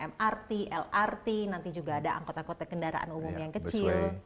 mrt lrt nanti juga ada angkota kota kendaraan umum yang kecil